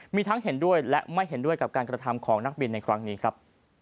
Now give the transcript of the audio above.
มีทั้งเห็นด้วยและไม่เห็นด้วยกับการกระทำของนักบินในครั้งนี้ครับ